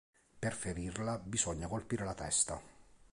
Per ferirla bisogna colpire la testa.